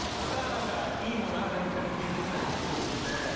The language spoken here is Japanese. いい物ある？みたいに聞いてきたりとかするので。